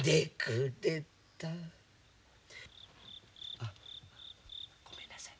あごめんなさい。